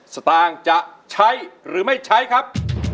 สตางค์จะใช้หรือไม่ใช้ครับ